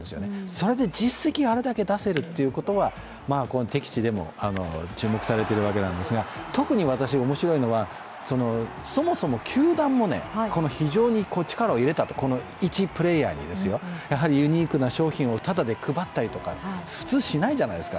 それで実績をあれだけ出せるというのは、敵地でも注目されているわけなんですが、特に私面白いのは、そもそも球団もこの非常に力を入れたと、この一プレーヤーにですよ。ユニークな商品をただで配ったりとか、普通紙ないじゃないですか。